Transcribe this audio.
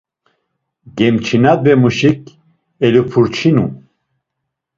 Gemçinadvemuşik elupurçinu.